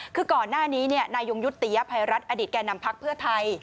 คือก่อนหน้านี้นายยงยุติยภัยรัฐอดีตแก่นำพักเพื่อไทย